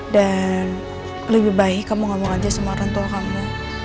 dan lebih baik kamu ngomong aja sama orang tua kamu